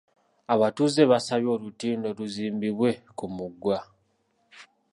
Abatuuze baasabye olutindo luzimbibwe ku mugga.